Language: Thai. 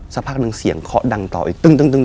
สักพักนึงเสียงเคาะดังต่ออีก